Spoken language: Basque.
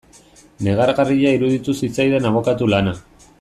Negargarria iruditu zitzaidan abokatu lana.